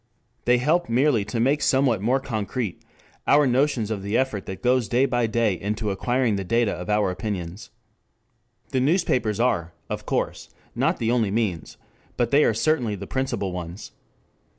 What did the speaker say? They help merely to make somewhat more concrete our notions of the effort that goes day by day into acquiring the data of our opinions. The newspapers are, of course, not the only means, but they are certainly the principal ones.